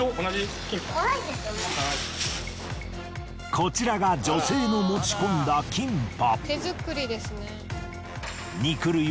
こちらが女性の持ち込んだキンパ。